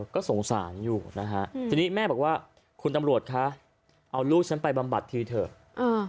ก็สงสารอยู่นะฮะทีนี้แม่บอกว่าคุณตำรวจคะเอาลูกฉันไปบำบัดทีเถอะ